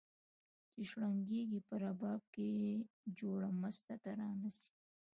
چي شرنګیږي په رباب کي جوړه مسته ترانه سي